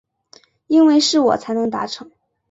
因为是我才能达成